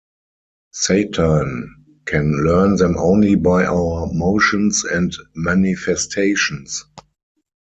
Satan can learn them only by our motions and manifestations.